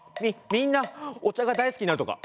みんなおちゃがだいすきになるとか？